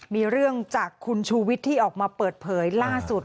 มีเรื่องจากคุณชูวิทย์ที่ออกมาเปิดเผยล่าสุด